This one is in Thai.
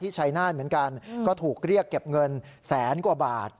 ชัยนาธเหมือนกันก็ถูกเรียกเก็บเงินแสนกว่าบาท